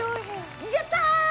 やったー！